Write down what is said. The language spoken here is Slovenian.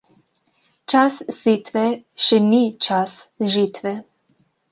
Čas setve še ni čas žetve.